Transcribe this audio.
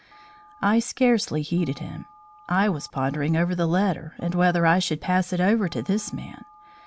I scarcely heeded him. I was pondering over the letter and whether I should pass it over to this man.